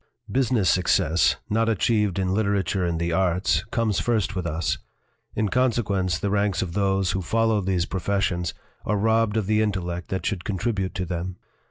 " Business success not achieved in literature and the arts comes first with us; in consequence, the ranks of those who follow these professions are robbed of the intellect that should contribute to them.